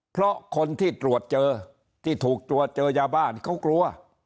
เพราะคนที่ตรวจเจอที่ถูกตรวจเจอยาบ้านเขากลัว